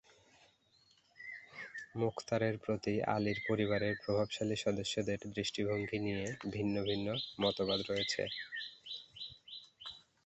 মুখতারের প্রতি আলীর পরিবারের প্রভাবশালী সদস্যদের দৃষ্টিভঙ্গী নিয়ে ভিন্ন ভিন্ন মতবাদ রয়েছে।